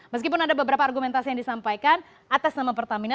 meskipun ada beberapa argumentasi yang disampaikan atas nama pertamina